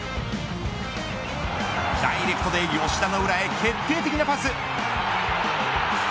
ダイレクトで吉田の裏へ決定的なパス。